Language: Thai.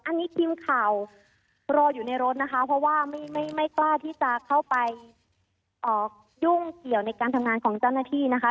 อันนี้ทีมข่าวรออยู่ในรถนะคะเพราะว่าไม่กล้าที่จะเข้าไปยุ่งเกี่ยวในการทำงานของเจ้าหน้าที่นะคะ